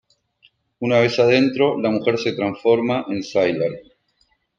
Una vez adentro, la mujer se transforma en Sylar.